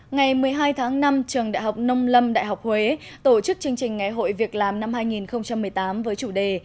ngày một mươi hai tháng năm trường đại học nông lâm đại học huế tổ chức chương trình ngày hội việc làm năm hai nghìn một mươi tám với chủ đề